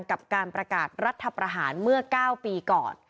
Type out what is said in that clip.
กับการประกาศรัฐประหารเมื่อ๙ปีก่อน